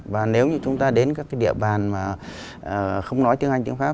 và nếu như chúng ta đến các cái địa bàn mà không nói tiếng anh tiếng pháp